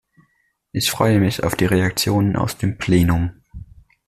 Ich freue mich auf die Reaktionen aus dem Plenum.